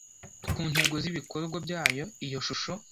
ku ntego z ibikorwa byayo iyo shusho